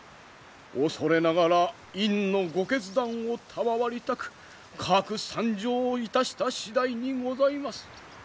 恐れながら院のご決断を賜りたくかく参上いたした次第にございます。